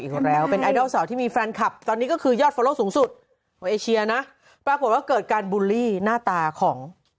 อีดแล้วเป็นไอดอลสอดที่มีแฟนคลับตอนนี้ก็คือยอดฝรกสูงสุดอเชียร์นะปรากฏว่าเกิดการบูลลี่หน้าตาของ